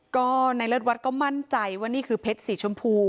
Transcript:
ก็ในเลิศวัดก็มั่นใจว่านี่คือเพชรสีชมพู